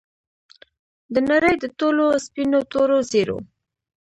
د نړۍ د ټولو سپینو، تورو، زیړو